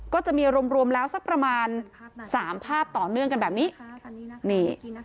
ก็จะมีรวมรวมแล้วสักประมาณสามภาพต่อเนื่องกันแบบนี้นี่